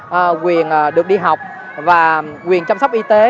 và quyền chăm sóc y tế